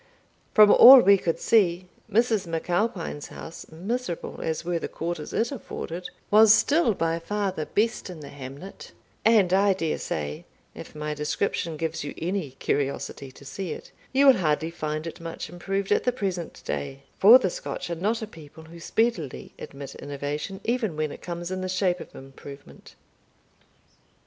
From all we could see, Mrs. MacAlpine's house, miserable as were the quarters it afforded, was still by far the best in the hamlet; and I dare say (if my description gives you any curiosity to see it) you will hardly find it much improved at the present day, for the Scotch are not a people who speedily admit innovation, even when it comes in the shape of improvement.* * Note I. Clachan of Aberfoil.